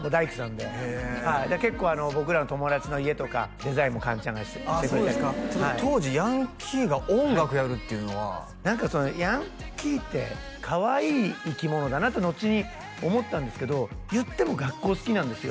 で結構僕らの友達の家とかデザインもかんちゃんがしてくれたりとか例えば当時ヤンキーが音楽やるっていうのは何かヤンキーってかわいい生き物だなってのちに思ったんですけど言っても学校好きなんですよ